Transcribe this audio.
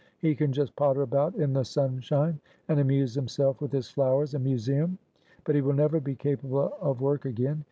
He can just potter about in the sunshine and amuse himself with his flowers and museum, but he will never be capable of work again.